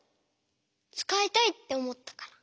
つかいたいっておもったから。